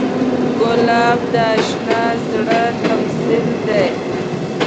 ګلاب د اشنا زړه تمثیل دی.